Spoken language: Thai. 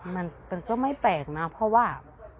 มันก็ไม่แปลกนะเพราะว่า